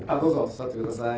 座ってください。